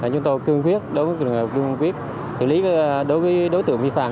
chúng tôi cương quyết đối với trường hợp cương quyết xử lý đối tượng vi phạm